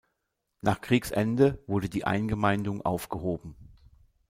Nach Kriegsende wurde die Eingemeindung aufgehoben.